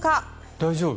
大丈夫？